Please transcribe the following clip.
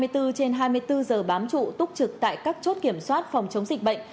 hai mươi bốn trên hai mươi bốn giờ bám trụ túc trực tại các chốt kiểm soát phòng chống dịch bệnh